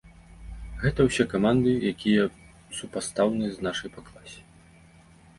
Гэта ўсе каманды, якія супастаўныя з нашай па класе.